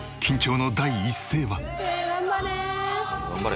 頑張れ。